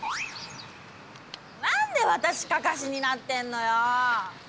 何で私カカシになってんのよ。